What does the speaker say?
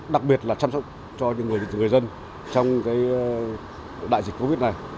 đặc biệt là chăm sóc cho những người dân trong đại dịch covid này